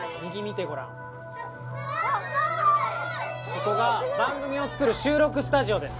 ここが番組を作る収録スタジオです。